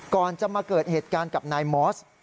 ก่อนจะมาเกิดเหตุการณ์กับนายมอส